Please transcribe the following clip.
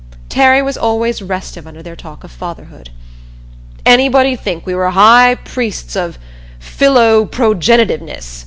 Terry was always restive under their talk of fatherhood. "Anybody'd think we were High Priests of of Philoprogenitiveness!"